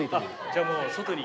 じゃあもう外に。